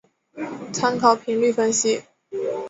参考频率分析。